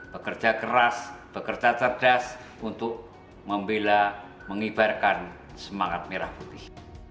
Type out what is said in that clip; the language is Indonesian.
bekerja keras bekerja cerdas untuk membela mengibarkan semangat merah putih